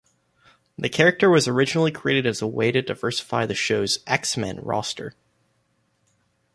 The character was originally created as a way to diversify the show's X-Men roster.